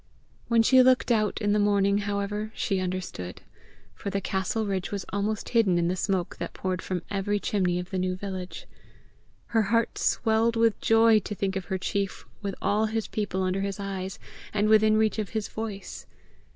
When she looked out in the morning, however, she understood, for the castle ridge was almost hidden in the smoke that poured from every chimney of the new village. Her heart swelled with joy to think of her chief with all his people under his eyes, and within reach of his voice.